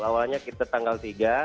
awalnya kita tanggal tiga